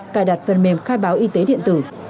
cài đặt phần mềm khai báo y tế điện tử